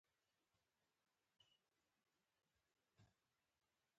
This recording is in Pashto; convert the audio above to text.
استازی ورسېدی.